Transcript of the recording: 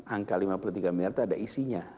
angka lima puluh tiga miliar itu ada isinya